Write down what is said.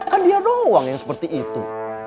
kan dia doang yang seperti itu